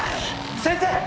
先生！